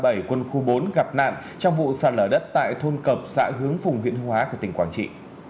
các cán bộ chiến sĩ đoàn ba trăm ba mươi bảy quân khu bốn gặp nạn trong vụ sát lỡ đất tại thôn cập xã hướng phùng nguyễn hóa của tỉnh quảng trị